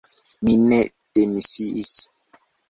Mi ne demisiis.